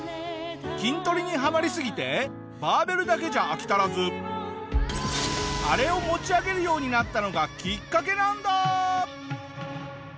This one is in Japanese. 筋トレにハマりすぎてバーベルだけじゃ飽き足らずあれを持ち上げるようになったのがきっかけなんだ！